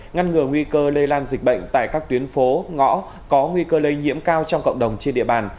ngăn ngừa nguy cơ lây lan dịch bệnh tại các tuyến phố ngõ có nguy cơ lây nhiễm cao trong cộng đồng trên địa bàn